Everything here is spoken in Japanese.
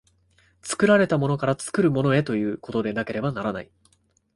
作られたものから作るものへということでなければならない。